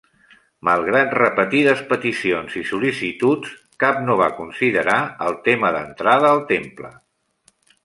Malgrat repetides peticions i sol·licituds, cap no va considerar el tema d'entrada al temple.